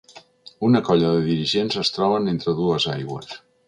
Una colla de dirigents es troben entre dues aigües.